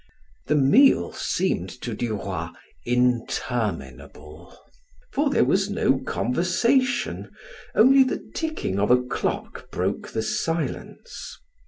The meal seemed to Duroy interminable, for there was no conversation, only the ticking of a clock broke the silence.